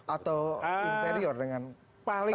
atau inferior dengan terancam